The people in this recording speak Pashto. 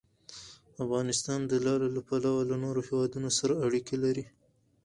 افغانستان د لعل له پلوه له نورو هېوادونو سره اړیکې لري.